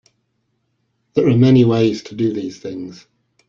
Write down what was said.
There are many ways to do these things.